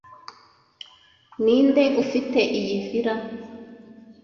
Ninde ufite iyi villa?